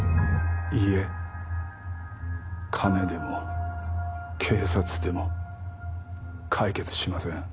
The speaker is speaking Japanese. いいえ金でも警察でも解決しません